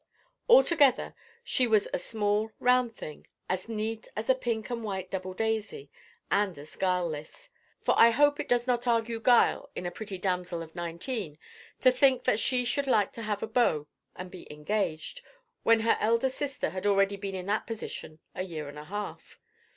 Altogether, she was a small, round thing, as neat as a pink and white double daisy, and as guileless; for I hope it does not argue guile in a pretty damsel of nineteen, to think that she should like to have a beau and be "engaged," when her elder sister had already been in that position a year and a half.